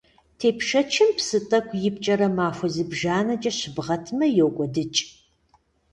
Тепщэчым псы тӀэкӀу ипкӀэрэ махуэ зыбжанэкӀэ щыбгъэтмэ, йокӀуэдыкӀ.